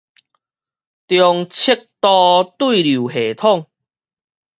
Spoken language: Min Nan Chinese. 中尺度對流系統